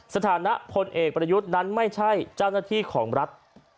สถานะพลเอกประยุทธ์นั้นไม่ใช่เจ้าหน้าที่ของรัฐ